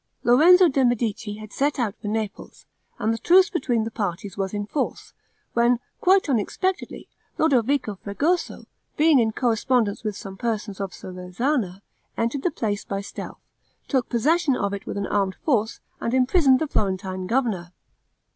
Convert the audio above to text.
Lorenzo de' Medici had set out for Naples, and the truce between the parties was in force, when, quite unexpectedly, Lodovico Fregoso, being in correspondence with some persons of Serezana, entered the place by stealth, took possession of it with an armed force, and imprisoned the Florentine governor.